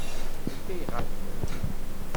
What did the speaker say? Anta i iɣaben?